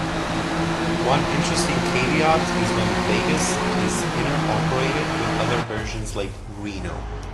One interesting caveat is when Vegas is inter-operated with other versions like Reno.